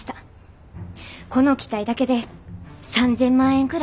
この機体だけで３，０００万円くらいかかっています。